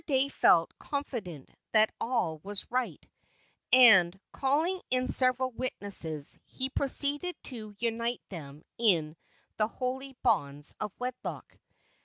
Dey felt confident that all was right, and, calling in several witnesses, he proceeded to unite them in the holy bonds of wedlock.